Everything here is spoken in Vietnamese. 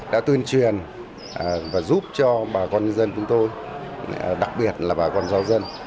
đã tuyên truyền và giúp cho bà con nhân dân chúng tôi đặc biệt là bà con giáo dân